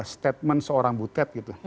statement seorang butet gitu